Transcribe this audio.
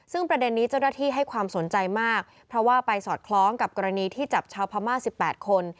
ซึ่งประเด็นนี้เจ้าหน้าที่ให้ความสนใจมากเพราะว่าไปสอดคล้องกับกรณีที่จับชาวพม่า๑๘คน